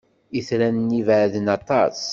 Itran-nni beɛden aṭas.